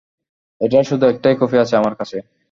এটার শুধু একটাই কপি আছে আমার কাছে।